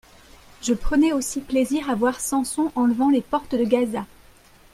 je prenais aussi plaisir à voir Samson enlevant les portes de Gaza.